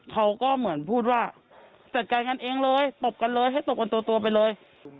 เขาก็เหมือนพูดว่าจัดการกันเองเลยตบกันเลยให้ตบกันตัวไปเลย